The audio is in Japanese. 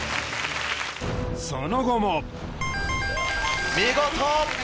その後も見事！